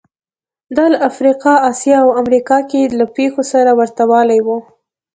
دا له افریقا، اسیا او امریکا کې له پېښو سره ورته والی و